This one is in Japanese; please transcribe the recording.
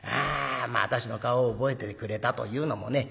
私の顔を覚えててくれたというのもね